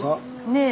ねえ。